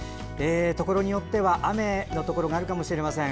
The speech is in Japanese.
ところによっては雨のところがあるかもしれません。